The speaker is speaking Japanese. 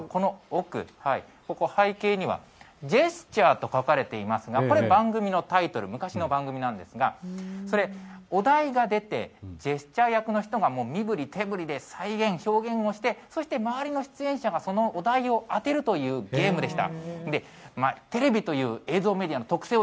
昔の白黒のテレビカメラなんかも再現されていますし、そして照明とかこの奥、ここ背景にはジェスチャーと書かれていますがこれ番組のタイトル昔の番組なんですが、お題が出てジェスチャー役の人が身ぶり手ぶりで再現、表現をしてそして周りの出演者がそのお題を当てるというゲームでした。